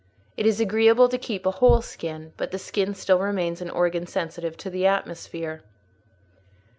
It is agreeable to keep a whole skin; but the skin still remains an organ sensitive to the atmosphere.